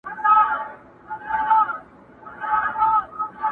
همدا تخنيک د کيسې اغېز زياتوي او لوستونکی له ځان سره بوځي,